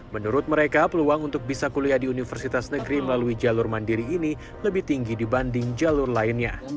menurut mereka peluang untuk bisa kuliah di universitas negeri melalui jalur mandiri ini lebih tinggi dibanding jalur lainnya